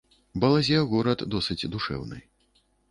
Балазе горад досыць душэўны.